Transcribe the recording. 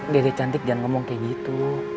diri cantik jangan ngomong kayak gitu